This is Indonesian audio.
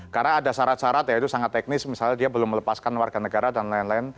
karena ada syarat syarat ya itu sangat teknis misalnya dia belum melepaskan warga negara dan lain lain